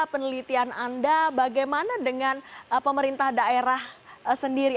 penelitian anda bagaimana dengan pemerintah daerah sendiri